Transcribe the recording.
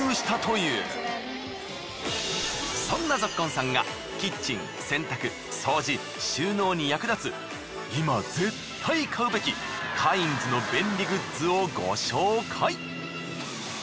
そんなぞっこんさんがキッチン洗濯掃除収納に役立つ今絶対買うべきカインズの便利グッズをご紹介。